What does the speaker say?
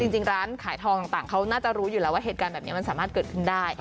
จริงร้านขายทองต่างเขาน่าจะรู้อยู่แล้วว่าเหตุการณ์แบบนี้มันสามารถเกิดขึ้นได้